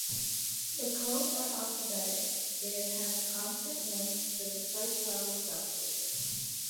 The codes are alphabetic and have constant length for the first level subdivisions.